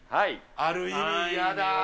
ある意味嫌だ。